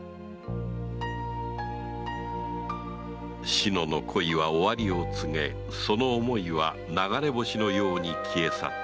志乃の恋は終わりを告げその想いは流れ星のように消え去った